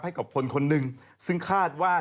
ให้กับคนคนหนึ่งซึ่งคาดว่า